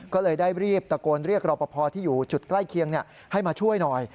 ก็เลยได้รีบตะโกนเรียกรอปภที่อยู่จุดใกล้เคียงให้มาช่วยหน่อย